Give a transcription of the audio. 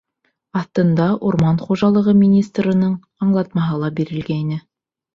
Аҫтында Урман хужалығы министрының аңлатмаһы ла бирелгәйне.